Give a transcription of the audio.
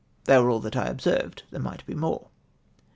—" They were all that I observed ; there might be more."